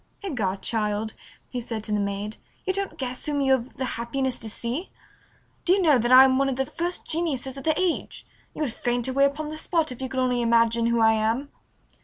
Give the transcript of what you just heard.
"Egad, child," he said to the maid, "you don't guess whom you have the happiness to see! Do you know that I am one of the first geniuses of the age? You would faint away upon the spot if you could only imagine who I am!"